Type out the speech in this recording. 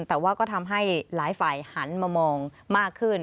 แต่ว่าก็ทำให้หลายฝ่ายหันมามองมากขึ้น